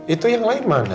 itu yang lain mana